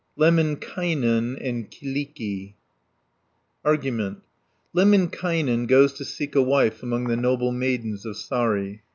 LEMMINKAINEN AND KYLLIKKI Argument Lemminkainen goes to seek a wife among the noble maidens of Saari (1 110).